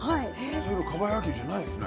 そういえばかば焼きじゃないんですね。